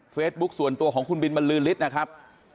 เฟสบุ๊คส่วนตัวของคุณบินบรรลือริสต์นะครับ